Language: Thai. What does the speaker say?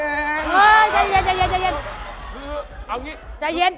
เฮ้ยใจเย็นเฮ้ยเอาอย่างนี้